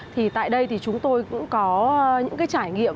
thì tại đây chúng tôi cũng có những trải nghiệm vô cùng đẹp